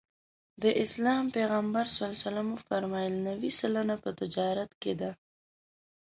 د اسلام پیغمبر ص وفرمایل نوې سلنه په تجارت کې ده.